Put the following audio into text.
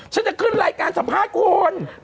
ฉันจะขึ้นรายการสัมภาษณ์ของคุณ